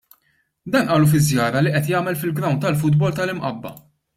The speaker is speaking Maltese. Dan qalu fi żjara li qed jagħmel fil-grawnd tal-futbol tal-Imqabba.